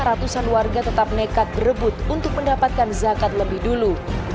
ratusan warga tetap nekat berebut untuk mendapatkan zakat lebih dulu